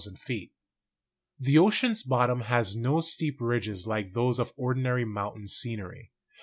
92 GEOLOGY The ocean's bottom has no steep ridges like those of ordinary mountain scenery.